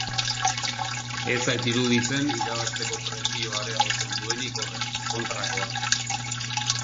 Ez zait iruditzen irabazteko presioa areagotzen duenik horrek, kontrakoa.